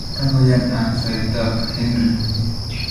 Kagoyan Ann saetab Henry.